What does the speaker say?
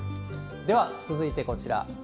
では、続いてこちら。